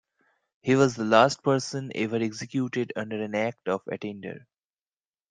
He was the last person ever executed under an Act of Attainder.